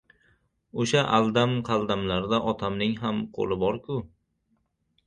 O‘sha aldam-qaldamlarda otamning ham qo‘li bor-ku!